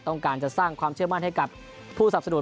ต้องการจะสร้างความเชื่อมั่นให้กับผู้สับสนุน